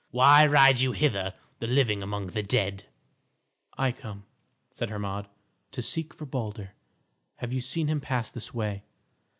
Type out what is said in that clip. Why ride you hither, the living among the dead?" "I come," said Hermod, "to seek for Balder. Have you seen him pass this way?"